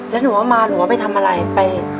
แล้วหนูเอามาหนูว่าไปทำอะไรไป